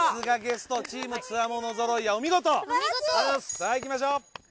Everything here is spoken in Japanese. さぁいきましょう！